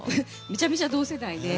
めちゃめちゃ同世代で。